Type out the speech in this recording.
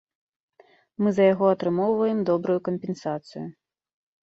Мы за яго атрымоўваем добрую кампенсацыю.